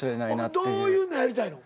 どういうのやりたいの？